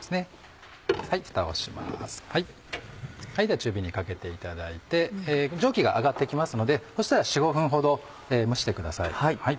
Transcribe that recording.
では中火にかけていただいて蒸気が上がって来ますのでそしたら４５分ほど蒸してください。